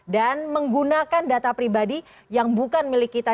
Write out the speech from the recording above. dan menggunakan data pribadi yang bukan milik kita